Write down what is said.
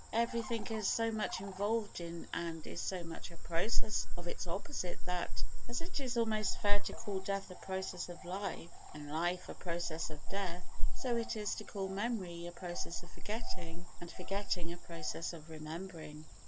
Everything is so much involved in and is so much a process of its opposite that, as it is almost fair to call death a process of life and life a process of death, so it is to call memory a process of forgetting and forgetting a process of remembering.